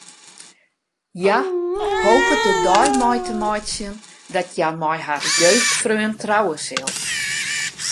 Hja hopet de dei mei te meitsjen dat hja mei har jeugdfreon trouwe sil.